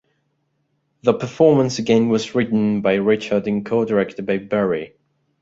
The performance again was written by Richard and co directed by Berry.